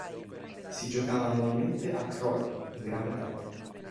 Si giocava annualmente a Croydon in Gran Bretagna.